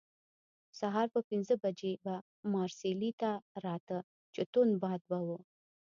سهار پر پنځه بجې به مارسیلي ته راته، چې توند باد به وو.